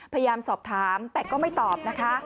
พยายามสอบถามแต่ก็ไม่ตอบนะคะ